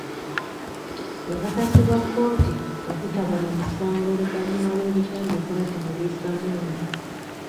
Yakakasibwa kkooti obutaba na musango oluvannyuma lw'ebigambibwa nti muliisamaanyi.